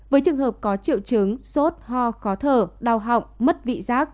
với trường hợp có triệu chứng sốt ho khó thở đau họng mất vị giác